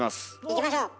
いきましょう。